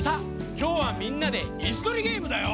きょうはみんなでいすとりゲームだよ。